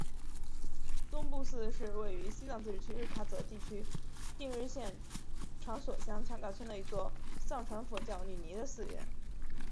宗布寺是位于西藏自治区日喀则地区定日县长所乡强噶村的一座藏传佛教女尼的寺院。